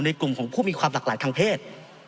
กลุ่มของผู้มีความหลากหลายทางเพศ